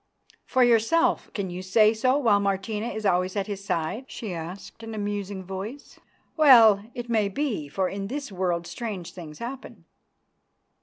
"For yourself! Can you say so while Martina is always at his side?" she asked in a musing voice. "Well, it may be, for in this world strange things happen."